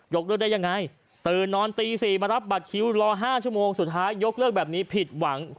เลิกได้ยังไงตื่นนอนตี๔มารับบัตรคิวรอ๕ชั่วโมงสุดท้ายยกเลิกแบบนี้ผิดหวัง